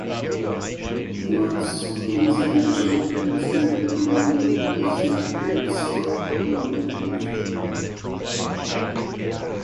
Watts, who was a bachelor, has written the loveliest cradle-song in the language.